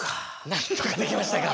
なんとかできましたか。